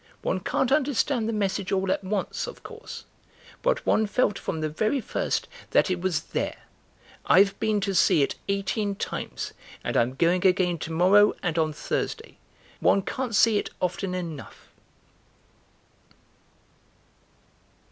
One can't understand the message all at once, of course, but one felt from the very first that it was there. I've been to see it eighteen times and I'm going again to morrow and on Thursday. One can't see it often enough."